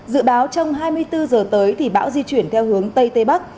dự báo trong hai mươi bốn giờ tới thì bão di chuyển theo hướng tây tây bắc